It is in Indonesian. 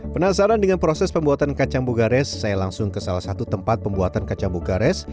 penasaran dengan proses pembuatan kacang bogares saya langsung ke salah satu tempat pembuatan kacang bogares